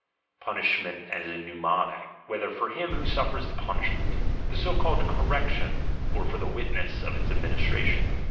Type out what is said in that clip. — Punishment as a mnemonic, whether for him who suffers the punishment — the so called "correction," or for the witnesses of its administration.